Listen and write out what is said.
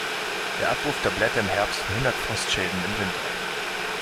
Der Abwurf der Blätter im Herbst verhindert Frostschäden im Winter.